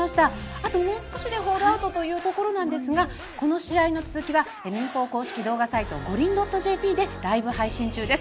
あともう少しでホールアウトというところなんですがこの試合の続きは民放公式動画サイトｇｏｒｉｎ．ｊｐでライブ配信中です。